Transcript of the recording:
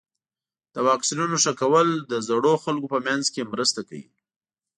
د واکسینونو ښه کول د زړو خلکو په منځ کې مرسته کوي.